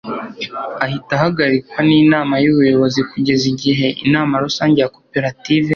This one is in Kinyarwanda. ahita ahagarikwa n'inama y'ubuyobozi kugeza igihe inama rusange ya koperative